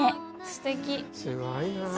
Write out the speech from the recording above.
すごいなあ。